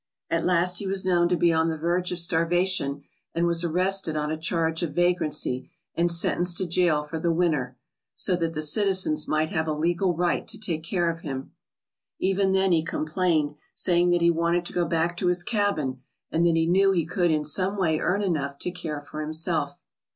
At last he was known to be on the verge of starvation and was arrested on a charge of va grancy and sentenced to jail for the winter, so that the citizens might have a legal right to take care of him. Even then he complained, saying that he wanted to go back to his cabin, and that he knew he could in some way earn enough to care for himself.